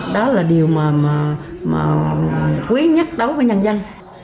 đó là điều mà quý nhất đối với nhân dân